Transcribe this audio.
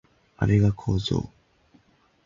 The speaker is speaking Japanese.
あれが工場